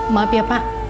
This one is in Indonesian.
maaf ya pak